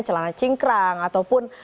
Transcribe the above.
celana cingkrang ataupun